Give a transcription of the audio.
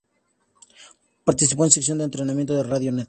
Participó en secciones de entretenimiento de Radio Net.